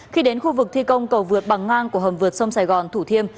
khi đến khu vực thi công cầu vượt bằng ngang của hầm vượt sông sài gòn thủ thiêm